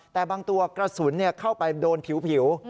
แต่บางตัวกระสุนเข้าไปโดนผิว